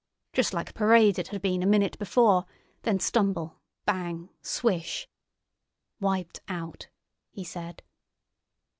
Just like parade it had been a minute before—then stumble, bang, swish!" "Wiped out!" he said.